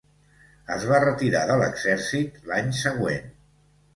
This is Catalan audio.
Es va retirar de l'exèrcit l'any següent.